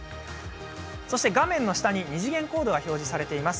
そして画面の下に二次元コードが表示されています。